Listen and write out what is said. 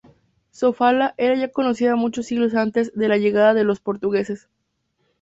Sofala era ya conocida muchos siglos antes de la llegada de los portugueses.